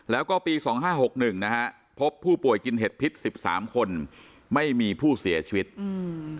แล้วก็ปีสองห้าหกหนึ่งนะฮะพบผู้ป่วยกินเห็ดพิษสิบสามคนไม่มีผู้เสียชีวิตอืม